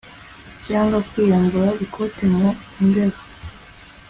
cyangwa kwiyambura ikoti mu mbeho